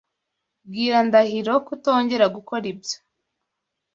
Bwira Ndahiro kutongera gukora ibyo.